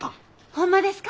ほんまですか？